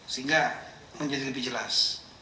sehingga menjadi lebih jelas